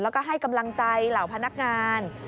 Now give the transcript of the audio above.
แล้วก็ให้กำลังใจเหล่าพนักงาน